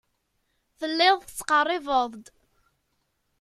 Telliḍ tettqerribeḍ-d.